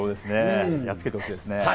やっつけてほしいですね。